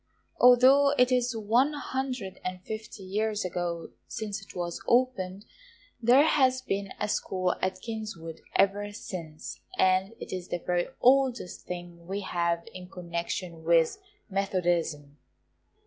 Although it is one hundred and fifty years ago since it was opened, there has been a school at Kingswood ever since, and it is the very oldest thing we have in connection with Methodism.